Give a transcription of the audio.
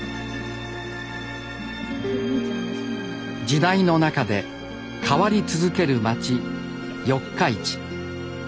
時代の中で変わり続ける街四日市。